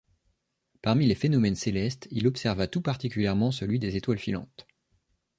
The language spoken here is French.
Parmi les phénomènes célestes, il observa tout particulièrement celui des étoiles filantes.